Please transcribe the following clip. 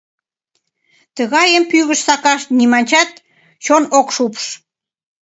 Тыгайым пӱгыш сакаш ниманчат чон ок шупш.